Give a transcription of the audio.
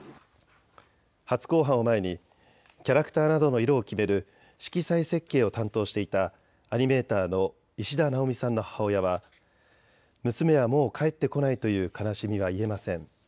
初公判を前にキャラクターなどの色を決める色彩設計を担当していたアニメーターの石田奈央美さんの母親は娘はもう帰ってこないという悲しみは癒えません。